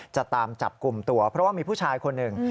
จะตามจับกลุ่มตัวเพราะว่ามีผู้ชายคนหนึ่ง